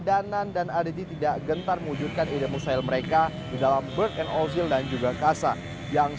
danan dan aditi tidak gentar mewujudkan ide mustahil mereka dalam berken ozil dan juga kasar yang